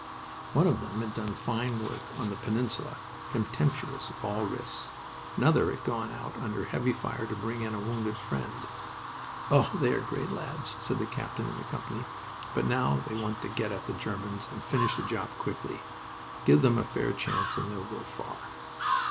One of them had done fine work on the Peninsula, contemptuous of all risks. Another had gone out under heavy fire to bring in a wounded friend... "Oh, they are great lads!" said the captain of the company. "But now they want to get at the Germans and finish the job quickly. Give them a fair chance and they'll go far."